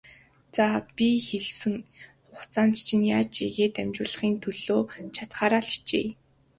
За, би хэлсэн хугацаанд чинь яаж ийгээд л амжуулахын төлөө чадахаараа л хичээе.